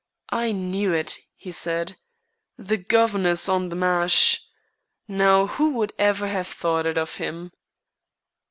"I knew it," he said. "The guv'nor's on the mash. Now, who would ever have thought it of him?"